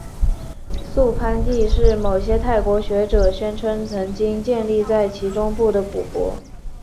素攀地是某些泰国学者宣称曾经建立在其中部的古国。